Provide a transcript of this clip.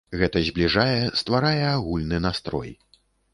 Гэта збліжае, стварае агульны настрой.